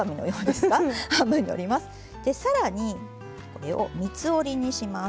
で更にこれを３つ折りにします。